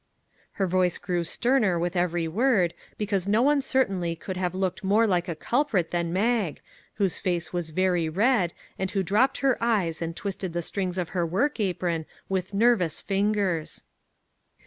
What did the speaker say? Her voice grew sterner with every word, be cause no one certainly could have looked more like a culprit than Mag, whose face was very red, and who dropped her eyes and twisted the strings of her work apron with nervous fingers.